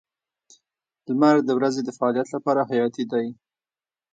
• لمر د ورځې د فعالیت لپاره حیاتي دی.